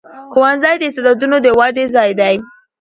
ښوونځی د استعدادونو د ودې ځای دی.